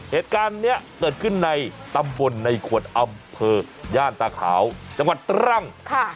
เหตุการณ์นี้เกิดขึ้นในตำบลในขวดอำเภอย่านตาขาวจังหวัดตรัง